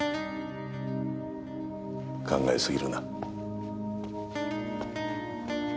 考えすぎるな。